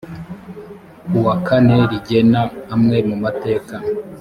kuwwa kane rigena amwe mu mateka.